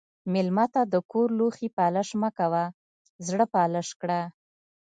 مېلمه ته د کور لوښي پالش مه کوه، زړه پالش کړه.